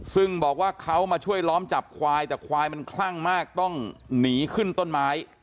ซึ่งบอกว่าเขามาช่วยล้อมจับควายแต่ควายมันคลั่งมากต้องหนีขึ้นต้นไม้